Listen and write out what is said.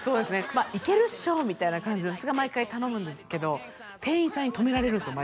「まあいけるっしょ」みたいな感じで私が毎回頼むんですけど店員さんに止められるんですよ